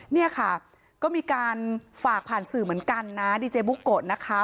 เนี่ยค่ะก็มีการฝากผ่านสื่อเหมือนกันนะดีเจบุโกะนะคะ